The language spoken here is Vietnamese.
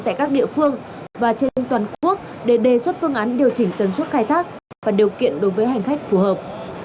tại các địa phương và trên toàn quốc để đề xuất phương án điều chỉnh tần suất khai thác và điều kiện đối với hành khách phù hợp